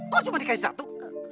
kok cuma dikasih satu